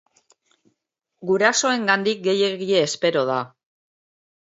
Gurasoengandik gehiegi espero da.